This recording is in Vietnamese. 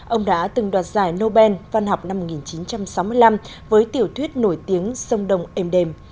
ông đã từng đoạt giải nobel văn học năm một nghìn chín trăm sáu mươi năm với tiểu thuyết nổi tiếng sông đông êm đềm